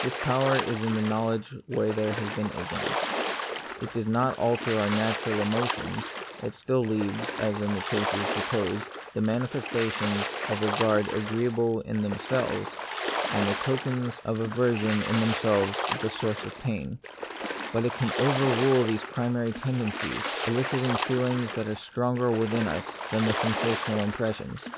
This power is in knowledge where there has been ignorance. It does not alter our natural emotions : it still leaves (as in the cases supposed) the manifestations of regard agreeable in themselves, and the tokens of The Mystery of Pain. 1 1 aversion in themselves the source of pain ; but it can overrule these primary tendencies, eliciting feelings which are stronger within us than the sensational impressions.